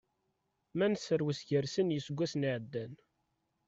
Ma neserwes gar sin n yiseggasen iɛeddan.